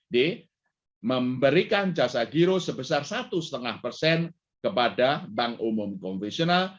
d memberikan jasa giro sebesar satu lima persen kepada bank umum konvensional